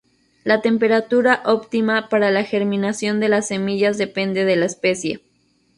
La temperatura óptima para la germinación de las semillas depende de la especie.